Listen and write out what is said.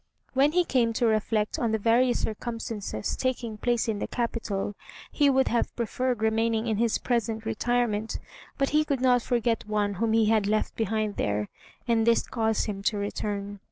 When he came to reflect on the various circumstances taking place in the capital, he would have preferred remaining in his present retirement; but he could not forget one whom he had left behind there, and this caused him to return.